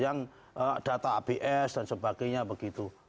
yang data abs dan sebagainya begitu